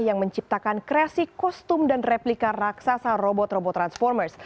yang menciptakan kreasi kostum dan replika raksasa robot robot transformers